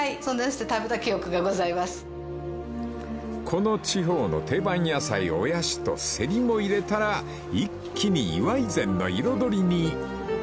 ［この地方の定番野菜オヤシとセリも入れたら一気に祝い膳の彩りに］